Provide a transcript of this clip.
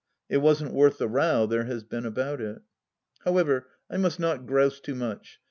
It wasn't worth the row there has been about it. However, I must not grouse too much.